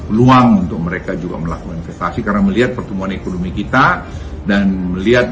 peluang untuk mereka juga melakukan investasi karena melihat pertumbuhan ekonomi kita dan melihat